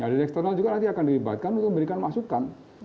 dari eksternal juga nanti akan dilibatkan untuk memberikan masukan